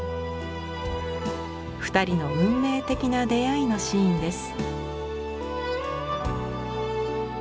二人の運命的な出会いのシーンです。